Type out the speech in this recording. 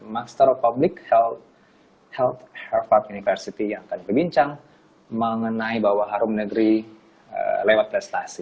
master of public health health harvard university yang akan berbincang mengenai bawah harum negeri lewat prestasi